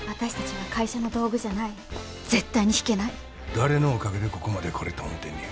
誰のおかげでここまで来れた思てんねや。